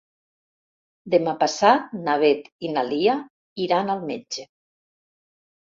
Demà passat na Beth i na Lia iran al metge.